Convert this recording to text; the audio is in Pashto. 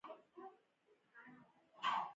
آیا کاناډا د خوړو اداره نلري؟